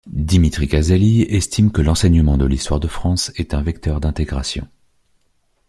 Dimitri Casali estime que l'enseignement de l'histoire de France est un vecteur d'intégration.